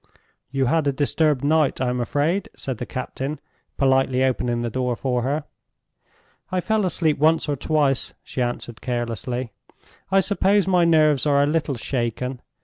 "You had a disturbed night, I am afraid?" said the captain, politely opening the door for her. "I fell asleep once or twice," she answered, carelessly. "I suppose my nerves are a little shaken.